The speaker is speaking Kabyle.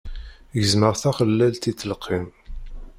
Gezmeɣ-d taxellalt i ttelqim.